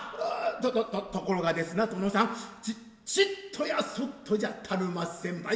ととところがですが殿さんちっとやそっとじゃ足るまっせんばい。